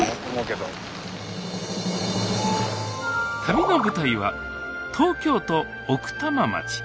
旅の舞台は東京都奥多摩町。